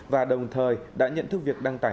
và đồng thời đã nhận thức việc đăng tải